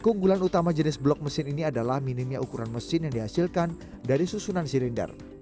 keunggulan utama jenis blok mesin ini adalah minimnya ukuran mesin yang dihasilkan dari susunan silinder